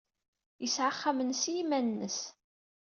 Yesɛa axxam-nnes i yiman-nnes.